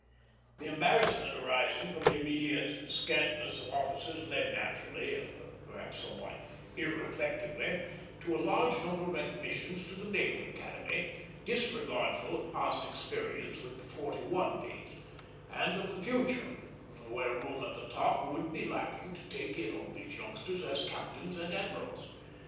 The embarrassment arising from the immediate scantness of officers led naturally, if perhaps somewhat irreflectively, to a great number of admissions to the Naval Academy, disregardful of past experience with the '41 Date, and of the future, when room at the top would be lacking to take in all these youngsters as captains and admirals.